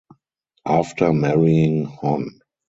After marrying Hon.